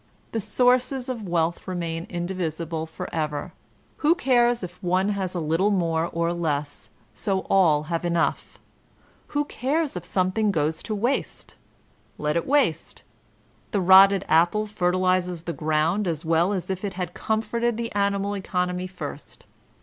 The sources of wealth remain indivisible forever; who cares if one has a little more or less, so all have enough ? Who cares if something goes to waste? Let it waste. The rotted apple fertilizes the ground as v;ell as if it had comforted the animal economy first.